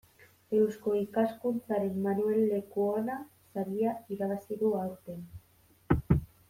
Eusko Ikaskuntzaren Manuel Lekuona saria irabazi du aurten.